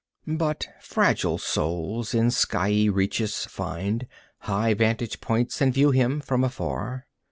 But fragile souls, in skyey reaches find High vantage points and view him from afar.